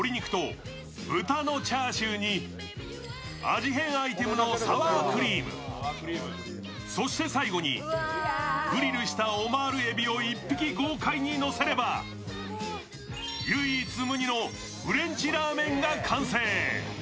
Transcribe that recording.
味変アイテムのサワークリームそして最後にグリルしたオマール海老を１匹豪快にのせれば唯一無二のフレンチラーメンが完成。